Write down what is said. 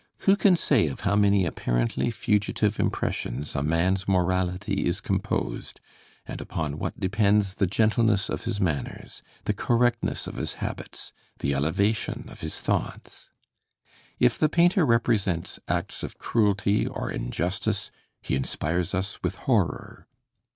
Who can say of how many apparently fugitive impressions a man's morality is composed, and upon what depends the gentleness of his manners, the correctness of his habits, the elevation of his thoughts? If the painter represents acts of cruelty or injustice, he inspires us with horror.